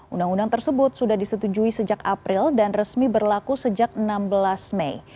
undang undang tersebut sudah disetujui sejak april dan resmi berlaku sejak enam belas mei